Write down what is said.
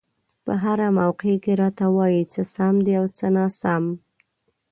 په هره موقع کې راته وايي څه سم دي او څه ناسم.